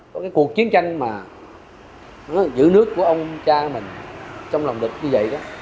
có cái cuộc chiến tranh mà giữ nước của ông cha mình trong lòng địch như vậy đó